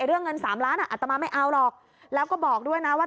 เรื่องเงิน๓ล้านอัตมาไม่เอาหรอกแล้วก็บอกด้วยนะว่า